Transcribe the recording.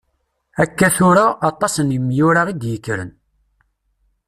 Akka tura, aṭas n yimyura i d-yekkren.